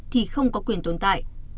thì không có quyền tồn tại